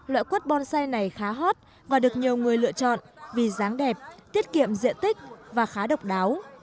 loại quất bonsai này khá hot và được nhiều người lựa chọn vì dáng đẹp tiết kiệm diện tích và khá độc đáo